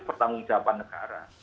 bertanggung jawaban negara